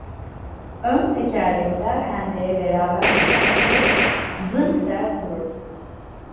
Ön tekerlekler hendeğe beraber girerdi. Zınk der dururduk…